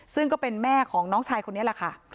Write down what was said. ซึ่งก็เป็นแม่ของน้องชายคนนี้แหละค่ะ